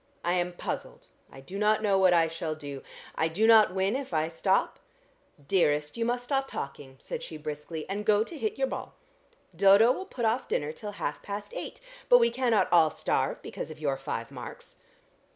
I am puzzled. I do not know what I shall do. I do not win if I stop " "Dearest, you must stop talking," said she briskly, "and go to hit your ball. Dodo will put off dinner till half past eight, but we cannot all starve because of your five marks."